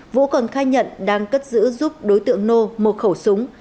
vũ còn khai nhận đang cất giữ giúp đối tượng nô một khẩu súng